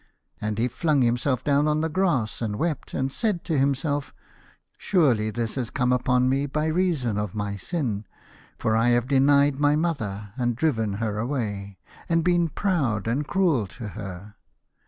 And he flung himself down on the grass and wept, and said to himself, "Surely this has come upon me by reason of my sin. For I 142 The Star Child. have denied my mother, and driven her away, and been proud, and cruel to her.